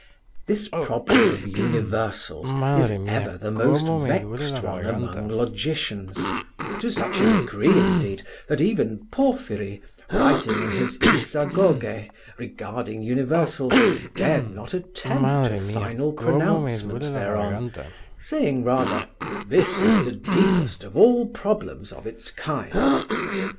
This problem of universals is ever the most vexed one among logicians, to such a degree, indeed, that even Porphyry, writing in his "Isagoge" regarding universals, dared not attempt a final pronouncement thereon, saying rather: "This is the deepest of all problems of its kind."